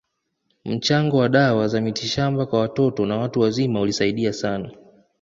Mchango wa dawa za mitishamba kwa watoto na watu wazima ulisaidia sana